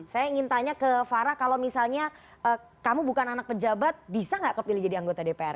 saya ingin tanya ke farah kalau misalnya kamu bukan anak pejabat bisa nggak kepilih jadi anggota dpr